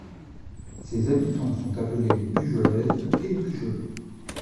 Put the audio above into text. Ses habitants sont appelés les Pujolaises et les Pujolais.